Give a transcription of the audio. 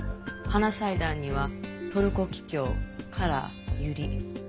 花祭壇にはトルコキキョウカラーユリ。